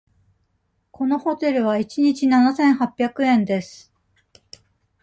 このホテルは一日七千八百円です。